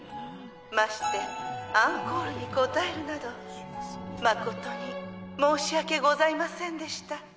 ましてアンコールに応えるなど誠に申し訳ございませんでした。